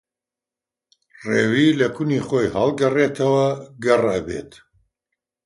ڕێوی لە کونی خۆی ھەڵگەڕێتەوە گەڕ ئەبێت